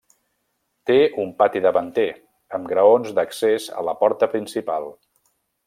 Té un pati davanter, amb graons d'accés a la porta principal.